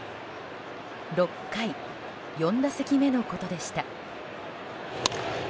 ６回、４打席目のことでした。